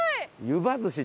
ゆばずし！